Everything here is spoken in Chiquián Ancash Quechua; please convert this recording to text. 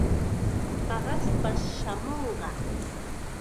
Paqaspash chaamunqa.